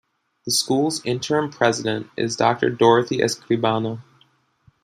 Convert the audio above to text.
The school's interim president is Doctor Dorothy Escribano.